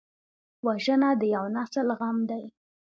وژنه د یو نسل غم دی